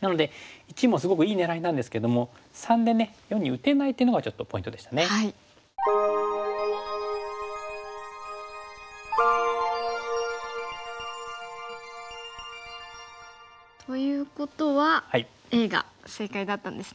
なので①もすごくいい狙いなんですけども③でね④に打てないっていうのがちょっとポイントでしたね。ということはＡが正解だったんですね。